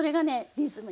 リズムに！